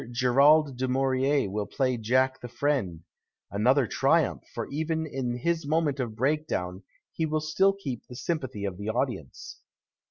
Gerald du Maiirier will play Jack the friend — another triumph, for even in his moment of breakdown he will still keep the sympathy of the audienee.